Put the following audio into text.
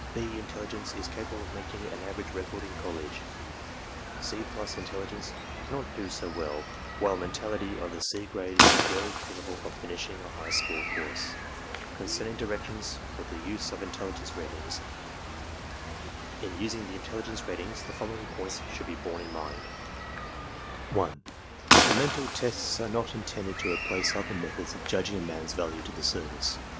"B" intelligence is capable of making an average record in college, "C+" intelligence can not do so well, while mentality of the/ "C" grade is rarely capable of finishing a high school course. 24 ARMY MENTAL TESTS Concerning directions for the use of intelligence ratings :— In using the intelligence ratings the following points should be borne in mind, 1. The mental tests are not intended to replace other methods of judging a man's value to the service.